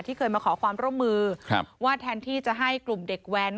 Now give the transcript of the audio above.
เคยมาขอความร่วมมือว่าแทนที่จะให้กลุ่มเด็กแว้น